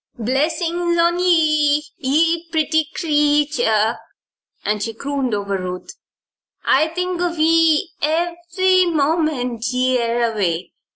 "Blessin's on ye, ye pretty creetur," she crooned over Ruth. "I'll think of ye ev'ry moment ye air away.